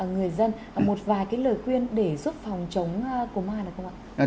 người dân một vài cái lời khuyên để giúp phòng chống covid này không ạ